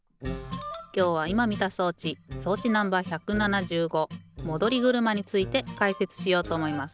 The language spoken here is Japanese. きょうはいまみた装置装置Ｎｏ．１７５戻り車についてかいせつしようとおもいます。